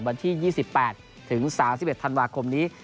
วันที่๒๘ถึง๓๑ธันวาคมนี้